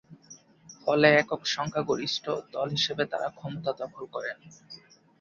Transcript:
ফলে একক সংখ্যাগরিষ্ঠ দল হিসেবে তারা ক্ষমতা দখল করে।